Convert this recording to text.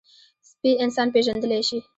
سپي انسان پېژندلی شي.